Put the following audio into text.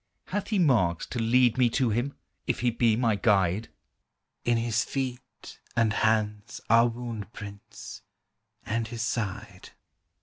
Hath He marks to lead me to Him, If He be my Guide? "In His feet and hands are wound prints, And His side."